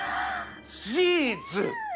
チーズ！